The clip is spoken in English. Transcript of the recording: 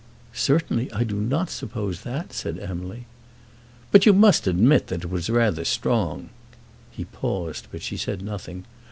"Certainly I do not suppose that," said Emily. "But you must admit that it were rather strong." He paused, but she said nothing.